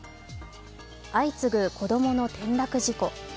相次ぐ子供の転落事故。